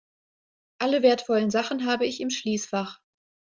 Alle wertvollen Sachen habe ich im Schließfach.